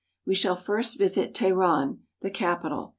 We shall first visit Teheran (te h'ran'), the capital.